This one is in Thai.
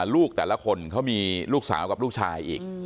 ลูกแต่ละคนเขามีลูกสาวกับลูกชายอีก